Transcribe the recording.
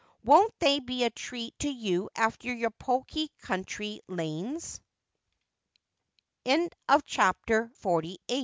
Won't they be a treat to you after your poky country lanes J ' CHAPTER XLIX.